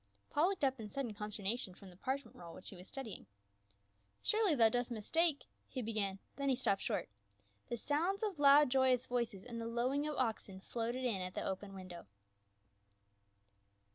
Paul looked up in sudden consternation from the parchment roll which he was studying. " Surely thou dost mistake —" he began, then he stopped short ; the sounds of loud joyous voices and the lowing of oxen floated in at the open window.